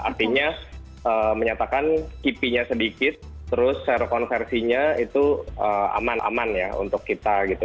artinya menyatakan kipinya sedikit terus serokonversinya itu aman aman ya untuk kita gitu